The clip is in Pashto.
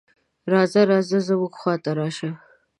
"راځه راځه زموږ خواته راشه".